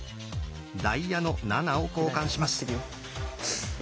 「ダイヤの７」を交換します。